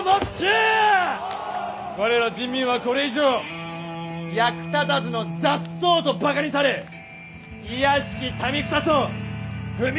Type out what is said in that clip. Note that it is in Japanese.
我ら人民はこれ以上役立たずの雑草とバカにされ卑しき民草と踏みにじられてはいかん！